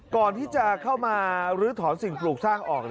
ก่อนที่จะเข้ามาลื้อถอนสิ่งปลูกสร้างออก